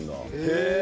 へえ！